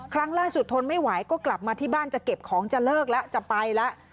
ครั้งล่าสุดทนไม่ไหวก็กลับมาที่บ้านจะเก็บของจะเลิกแล้วจะไปแล้ว